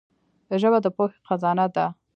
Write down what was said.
ژبه د پوهي خزانه ده.